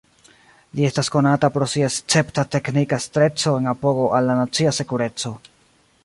Li estas konata pro sia escepta teknika estreco en apogo al la nacia sekureco.